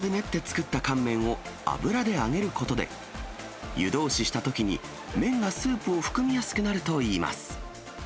卵と小麦粉で練って作った乾麺を油で揚げることで、湯通ししたときに麺がスープを含みやすくなるといいます。